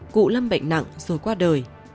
cụ lâm bệnh nặng rồi qua đời